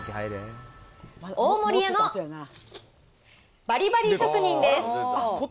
大森屋のバリバリ職人です。